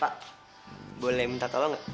pak boleh minta tolong nggak